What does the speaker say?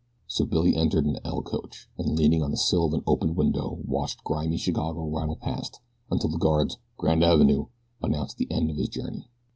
So Billy entered an "L" coach and leaning on the sill of an open window watched grimy Chicago rattle past until the guard's "Granavenoo" announced the end of his journey.